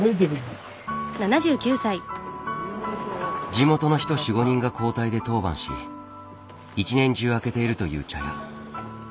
地元の人４５人が交代で当番し一年中開けているという茶屋。